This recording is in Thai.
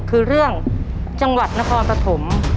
คือเรื่องจังหวัดนครปฐม